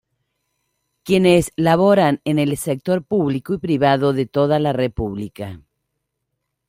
Quienes laboran en el sector público y privado de toda la república.